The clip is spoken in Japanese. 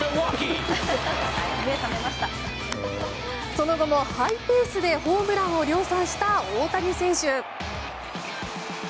その後もハイペースでホームランを量産した大谷選手。